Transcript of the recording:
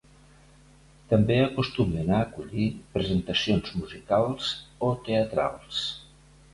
També acostumen a acollir presentacions musicals o teatrals.